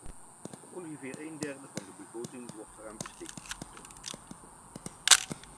Ongeveer een derde van de begroting wordt eraan besteed.